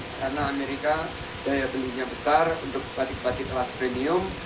karena amerika daya belinya besar untuk batik batik kelas premium